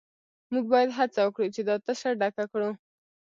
موږ باید هڅه وکړو چې دا تشه ډکه کړو